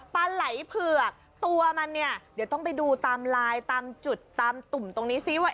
ปลาไหล่เผือกตัวมันเนี่ยเดี๋ยวต้องไปดูตามลายตามจุดตามตุ่มตรงนี้ซิว่า